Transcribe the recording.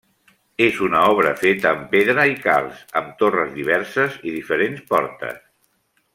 És una obra feta amb pedra i calç, amb torres diverses i diferents portes.